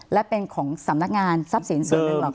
และเป็นของสำนักงานทรัพย์สินส่วนหนึ่งหรอก